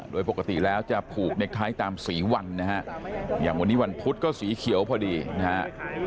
โดยปกติแล้วจะผูกเน็กไทยตามสีวันนะฮะอย่างวันนี้วันพุธก็สีเขียวพอดีนะฮะ